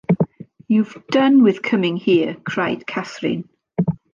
'You’ve done with coming here,’ cried Catherine.